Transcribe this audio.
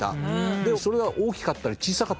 それは大きかったり小さかったりする。